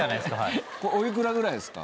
これおいくらぐらいですか？